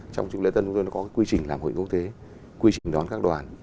trong lễ dân chúng tôi có quy trình làm hội quốc tế quy trình đón các đoàn